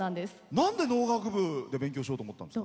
なんで農学部で勉強しようと思ったんですか？